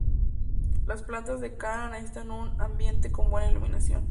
Las plantas de kanna necesitan un ambiente con buena iluminación.